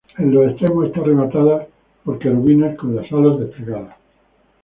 En los extremos está rematada por querubines con las alas desplegadas.